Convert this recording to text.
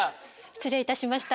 失礼いたしました。